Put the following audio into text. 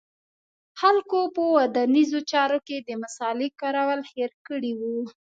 خلکو په ودانیزو چارو کې د مصالې کارول هېر کړي و